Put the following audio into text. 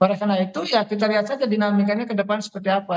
oleh karena itu ya kita lihat saja dinamikanya ke depan seperti apa